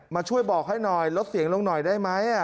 มาช่วยบอกให้หน่อยลดเสียงลงหน่อยได้ไหม